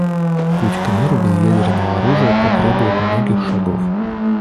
Путь к миру без ядерного оружия потребует многих шагов.